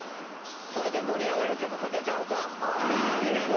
これで盛り上がる曲、かけちゃおうか。